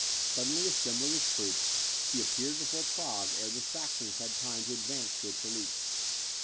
Suddenly assembling his troops, he appeared before Prague ere the Saxons had time to advance to its relief.